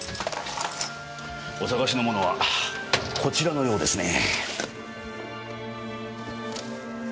お探しのものはこちらのようですね。